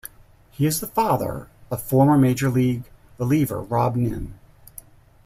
He is the father of former major league reliever Robb Nen.